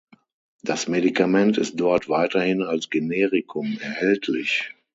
Das Medikament ist dort weiterhin als Generikum erhältlich.